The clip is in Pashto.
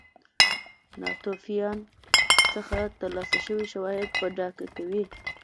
ناتوفیان څخه ترلاسه شوي شواهد په ډاګه کوي.